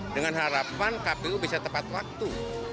dengan harapan kpu bisa tepat waktu